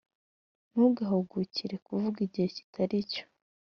ntugahugukire kuvuga igihe kitari cyo.